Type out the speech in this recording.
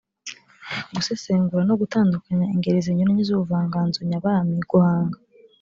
Gusesengura no gutandukanya ingeri zinyuranye z’ubuvanganzo nyabami. Guhanga